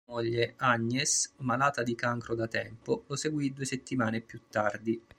Sua moglie Agnes, malata di cancro da tempo, lo seguì due settimane più tardi.